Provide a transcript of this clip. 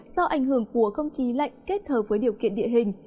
do ảnh hưởng của không khí lạnh kết hợp với điều kiện địa hình